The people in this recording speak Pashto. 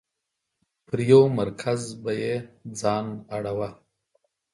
پر یو مرکز به یې ځان اړوه.